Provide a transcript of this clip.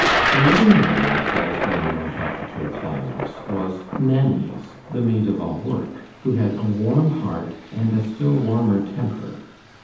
Another mind that was being wrought up to a climax was Nanny's, the maid of all work, who had a warm heart and a still warmer temper.